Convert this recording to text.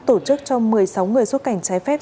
tổ chức cho một mươi sáu người xuất cảnh trái phép